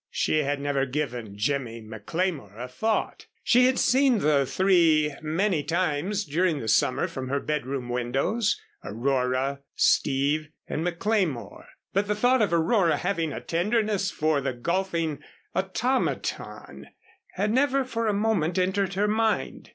She had never given Jimmy McLemore a thought. She had seen the three many times during the summer from her bedroom windows, Aurora, Steve and McLemore, but the thought of Aurora having a tenderness for the golfing automaton had never for a moment entered her mind.